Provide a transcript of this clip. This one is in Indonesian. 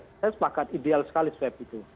saya sepakat ideal sekali swab itu